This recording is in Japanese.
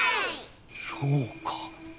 そうか。